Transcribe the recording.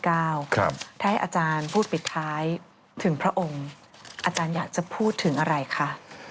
ถ้าให้อาจารย์พูดปิดท้ายถึงพระองค์อาจารย์อยากจะพูดถึงอะไรคะ